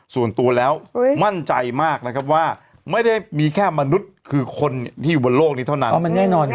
ส่วนตัวแล้วมั่นใจมากนะครับว่าไม่ได้มีแค่มนุษย์คือคนที่อยู่บนโลกนี้เท่านั้น